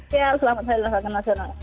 selamat hari olahraga nasional